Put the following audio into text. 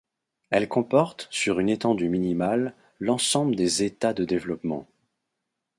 Elle comporte, sur une étendue minimale, l'ensemble des états de développement.